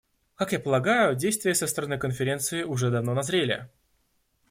Как я полагаю, действия со стороны Конференции уже давно назрели.